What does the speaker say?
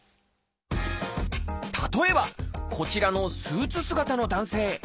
例えばこちらのスーツ姿の男性。